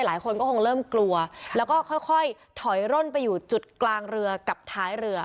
หลายคนก็คงเริ่มกลัวแล้วก็ค่อยถอยร่นไปอยู่จุดกลางเรือกับท้ายเรือ